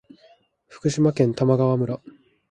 福島県玉川村